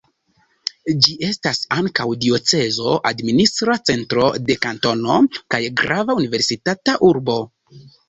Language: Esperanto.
Ĝi estas ankaŭ diocezo, administra centro de kantono kaj grava universitata urbo.